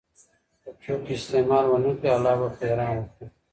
که څوک استعمال ونکړي، الله به پرې رحم وکړي.